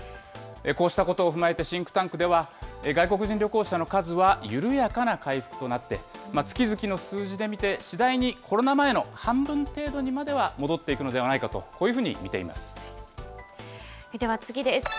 こうしたことを踏まえてシンクタンクでは、外国人旅行者の数は、緩やかな回復となって、月々の数字で見て、次第にコロナ前の半分程度にまでは、戻っていくのではないかと、こういうふうに見ていでは次です。